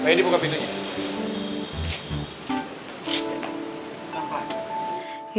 ini buka pintunya